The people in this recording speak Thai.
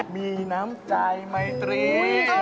มีน้ำใจไมตรี